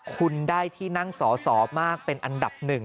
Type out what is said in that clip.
คุณได้ที่นั่งสอสอมากเป็นอันดับหนึ่ง